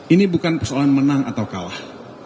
ini bukan persoalan menang atau kalah